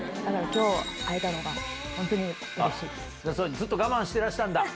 ずっと我慢してらしたんだ！